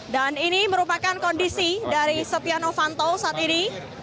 dan ini merupakan kondisi dari setia novanto saat ini